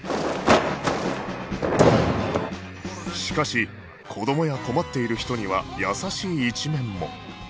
しかし子供や困っている人には優しい一面も